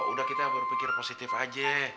udah kita berpikir positif aja